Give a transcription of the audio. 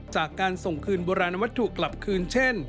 จากการส่งคืนโบราณวัตถุกลับคืนเช่น